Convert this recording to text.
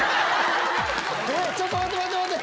ちょっと待て待て待て！